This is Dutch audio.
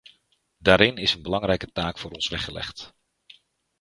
Daarin is een belangrijke taak voor ons weggelegd.